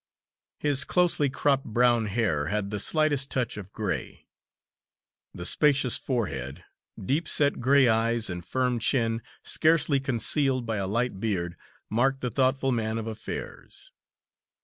His closely cropped brown hair had the slightest touch of gray. The spacious forehead, deep set gray eyes, and firm chin, scarcely concealed by a light beard, marked the thoughtful man of affairs.